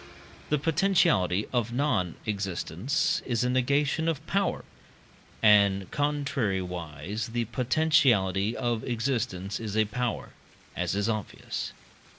The potentiality of non existence is a negation of power, and contrariwise the potentiality of existence is a power, as is obvious.